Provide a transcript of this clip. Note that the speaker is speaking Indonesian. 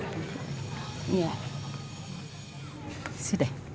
tak bisa bertenang masjid ini